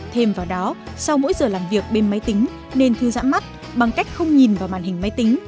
thêm vào đó sau mỗi giờ làm việc bên máy tính nên thư giãn mắt bằng cách không nhìn vào màn hình máy tính